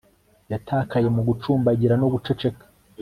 yatakaye mu gucumbagira no guceceka